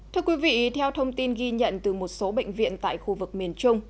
thưa quý vị theo thông tin ghi nhận từ một số bệnh viện tại khu vực miền trung